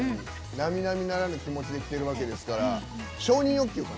なみなみならぬ気持ちできてるわけですから承認欲求かな？